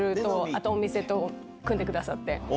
あとお店と、組んでくださって。